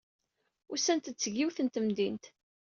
Usant-d seg yiwet n temdint.